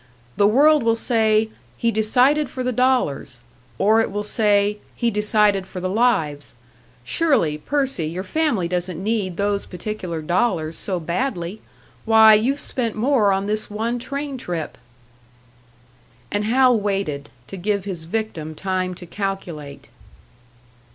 "The world will say, He decided for the dollars; or it will say, He decided for the lives. Surely, Percy, your family doesn't need those particular dollars so badly! Why, you've spent more on this one train trip!" And Hal waited, to give his victim time to calculate.